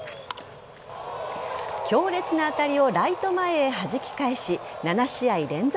強烈な当たりをライト前へはじき返し７試合連続